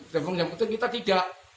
tempong yang penting kita tidak